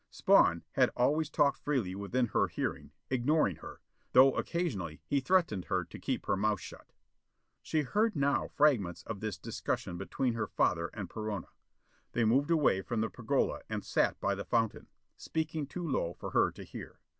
Spawn, had always talked freely within her hearing, ignoring her, though occasionally he threatened her to keep her mouth shut. She heard now fragments of this discussion between her father and Perona. They moved away from the pergola and sat by the fountain, speaking too low for her to hear.